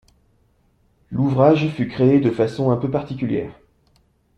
L'ouvrage fut créé de façon un peu particulière.